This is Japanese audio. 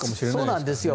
そうなんですよ。